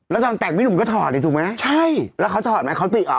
แล้วตอนแต่งพี่หนุ่มก็ถอดเลยถูกไหมใช่แล้วเขาถอดไหมเขาติเหรอ